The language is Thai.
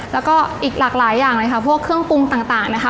แล้วก็อีกหลากหลายอย่างเลยค่ะพวกเครื่องปรุงต่างนะคะ